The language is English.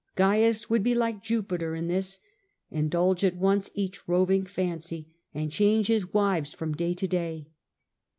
Caius would be like Jupiter in this: rai^iLove ij^dulge at once each roving fancy and moral laws, change his wives from day to day.